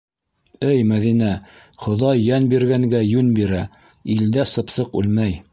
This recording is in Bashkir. Эй, Мәҙинә, Хоҙай йән биргәнгә йүн бирә, илдә сыпсыҡ үлмәй.